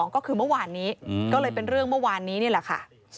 ก็คือเมื่อวานนี้ก็เลยเป็นเรื่องเมื่อวานนี้นี่แหละค่ะ